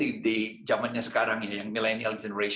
terutama di zaman sekarang generasi milenial hari ini